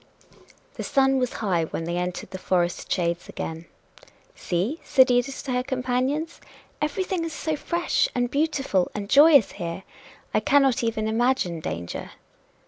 The sun was high when they entered the forest shades again. "See," said Edith to her companions, "everything is so fresh and beautiful and joyous here! I cannot even imagine danger."